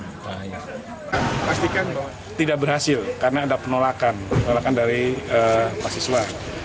pastikan tidak berhasil karena ada penolakan penolakan dari mahasiswa